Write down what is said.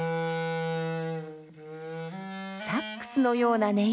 サックスのような音色。